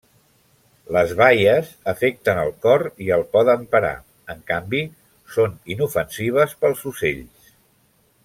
Les baies afecten el cor i el poden parar, en canvi són inofensives pels ocells.